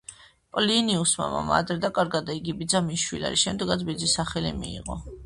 პლინიუსმა მამა ადრე დაკარგა და იგი ბიძამ იშვილა, რის შემდეგაც ბიძის სახელი მიიღო.